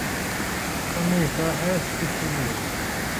Sami ur yefṛiḥ ara s tissulya-s.